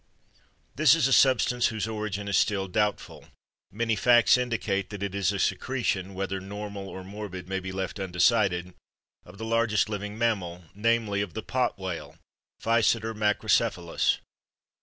This is a substance whose origin is still doubtful; many facts indicate that it is a secretion—whether normal or morbid may be left undecided—of the largest living mammal, namely, of the pot whale (Physeter macrocephalus).